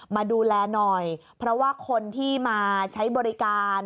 มาดูแลหน่อยเพราะว่าคนที่มาใช้บริการ